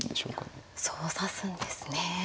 そう指すんですね。